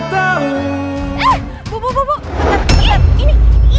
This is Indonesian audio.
tepat tepat ini